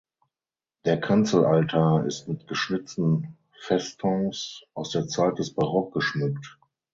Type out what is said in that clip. Der Kanzelaltar ist mit geschnitzten Festons aus der Zeit des Barock geschmückt.